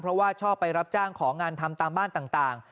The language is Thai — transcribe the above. เพราะว่าชอบไปรับจ้างของานทำตามบ้านต่าง